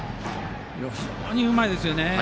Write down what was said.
非常にうまいですね。